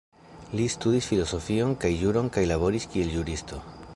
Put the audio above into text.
Li studis filozofion kaj juron kaj laboris kiel juristo.